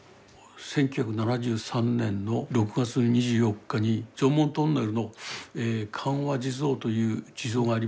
１９７３年の６月２４日に常紋トンネルの歓和地蔵という地蔵がありまして